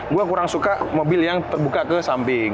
gue kurang suka mobil yang terbuka ke samping